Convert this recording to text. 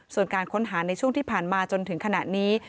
ส่วนการค้นหาในช่วงที่ผ่านมาจนถึงขณะนี้